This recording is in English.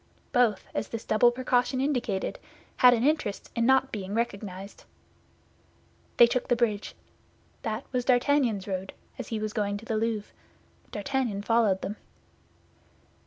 Both, as this double precaution indicated, had an interest in not being recognized. They took the bridge. That was D'Artagnan's road, as he was going to the Louvre. D'Artagnan followed them.